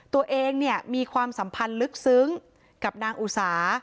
ตัวเองเนี่ยมีความสัมพันธ์ลึกซึ้งกับนางอุสา